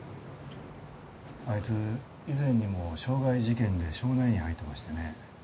アイツ以前にも傷害事件で少年院に入ってましてね